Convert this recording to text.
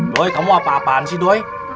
doi kamu apa apaan sih doi